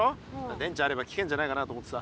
電池あれば聞けんじゃないかなと思ってさ。